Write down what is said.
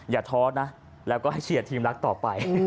ท้อนะแล้วก็ให้เชียร์ทีมรักต่อไป